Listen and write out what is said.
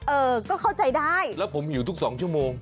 เออก็เข้าใจได้แล้วผมหิวทุกสองชั่วโมง